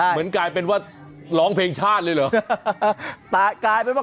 เหมือนกลายเป็นว่าร้องเพลงชาติเลยเหรอ